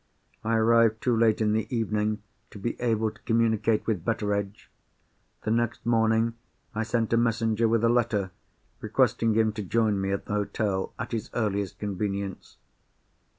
I arrived too late in the evening to be able to communicate with Betteredge. The next morning, I sent a messenger with a letter, requesting him to join me at the hotel, at his earliest convenience.